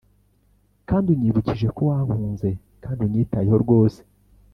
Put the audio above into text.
kandi unyibukije ko wankunze kandi unyitayeho rwose.